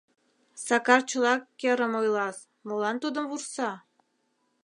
Сакар чыла керым ойлас, молан тудым вурса?